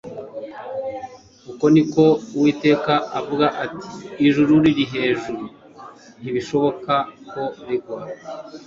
uko ni ko Uwiteka avuga ati :« Ijuru riri hejuru nibishoboka ko rigwa,